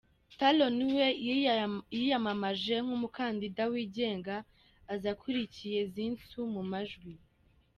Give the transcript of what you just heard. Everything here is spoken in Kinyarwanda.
Talon we yiyamamaje nk’umukandida wigenga aza akurikiye Zinsou mu majwi.